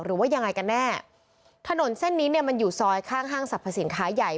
หรือว่ายังไงกันแน่ถนนเส้นนี้เนี่ยมันอยู่ซอยข้างห้างสรรพสินค้าใหญ่